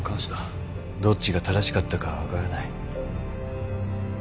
どっちが正しかったかは分からない。